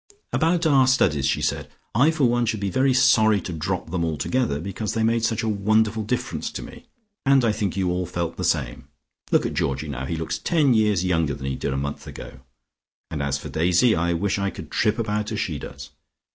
"About our studies," she said. "I for one should be very sorry to drop them altogether, because they made such a wonderful difference to me, and I think you all felt the same. Look at Georgie now: he looks ten years younger than he did a month ago, and as for Daisy, I wish I could trip about as she does.